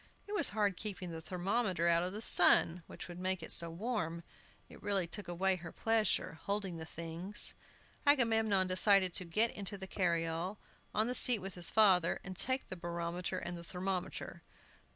It was hard keeping the thermometer out of the sun, which would make it so warm. It really took away her pleasure, holding the things. Agamemnon decided to get into the carryall, on the seat with his father, and take the barometer and thermometer.